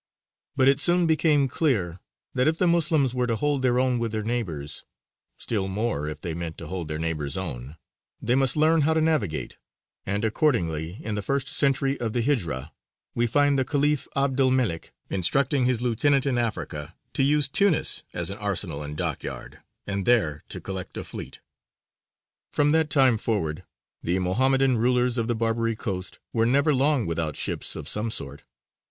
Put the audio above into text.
But it soon became clear that if the Moslems were to hold their own with their neighbours (still more if they meant to hold their neighbours' own) they must learn how to navigate; and accordingly, in the first century of the Hijra, we find the Khalif 'Abd el Melik instructing his lieutenant in Africa to use Tunis as an arsenal and dockyard, and there to collect a fleet. From that time forward the Mohammedan rulers of the Barbary coast were never long without ships of some sort.